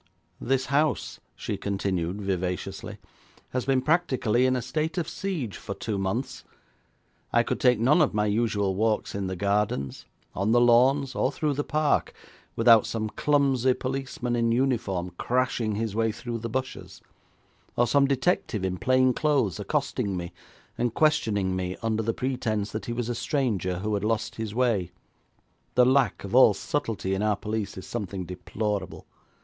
'This house,' she continued vivaciously, 'has been practically in a state of siege for two months. I could take none of my usual walks in the gardens, on the lawns, or through the park, without some clumsy policeman in uniform crashing his way through the bushes, or some detective in plain clothes accosting me and questioning me under the pretence that he was a stranger who had lost his way. The lack of all subtlety in our police is something deplorable.